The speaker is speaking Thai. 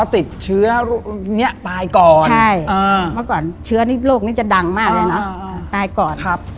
ติดเชื้อโรคนี้ตายก่อนใช่เมื่อก่อนเชื้อนี่โรคนี้จะดังมากเลยนะตายก่อนครับ